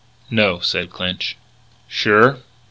"No," said Clinch. "Sure?"